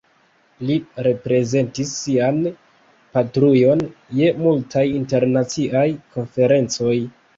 Li reprezentis sian patrujon ĉe multaj internaciaj konferencoj.